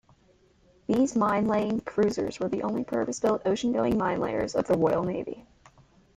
These "minelaying cruisers" were the only purpose-built oceangoing minelayers of the Royal Navy.